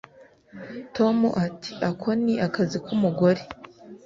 Tom ati Ako ni akazi kumugore